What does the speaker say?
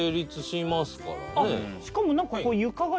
あっしかも何か。